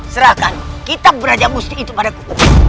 serahkan kitab berada musni itu padaku